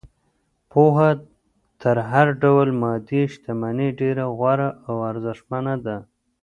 پوهه تر هر ډول مادي شتمنۍ ډېره غوره او ارزښتمنه ده.